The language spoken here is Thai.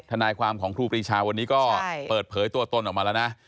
ทนายความของครูปรีชาวันนี้ก็เปิดเผยตัวตนออกมาแล้วนะ